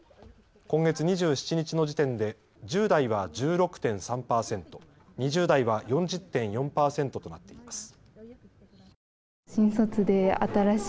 今月２７日の時点で１０代は１６．３％、２０代は４０．４％となっています。